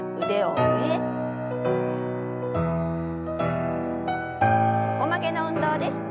横曲げの運動です。